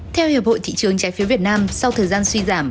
theo hiệp hội thị trường trái phiếu việt nam sau thời gian suy giảm